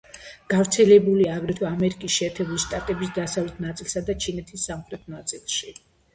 გავრცელებულია აგრეთვე ამერიკის შეერთებული შტატების დასავლეთ ნაწილსა და ჩინეთის სამხრეთ ნაწილში.